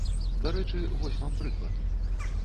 Дарэчы, вось вам прыклад.